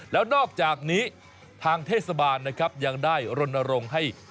แล้วนอกจากนี้ทางเทศบาลนะครับยังได้รณรงค์ให้